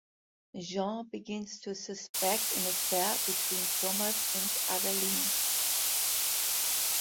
Jean begins to suspect an affair between Thomas and Adaline.